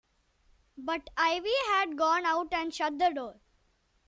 But Ivy had gone out and shut the door.